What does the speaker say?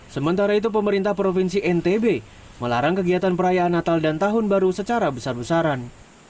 sementara itu pemerintah provinsi ntb melarang kegiatan perayaan natal dan tahun baru secara besar besaran